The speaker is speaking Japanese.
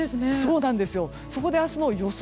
そこで明日の予想